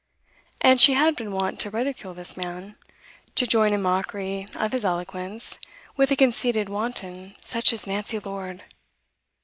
And she had been wont to ridicule this man, to join in mockery of his eloquence with a conceited wanton such as Nancy Lord!